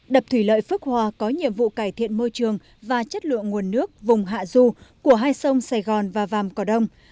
đập thủy lợi phước hòa có nhiệm vụ cải thiện môi trường và chất lượng nguồn nước vùng hạ du của hai sông sài gòn và vàm cỏ đông